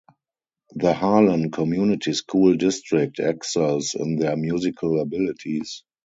The Harlan Community School District excels in their musical abilities.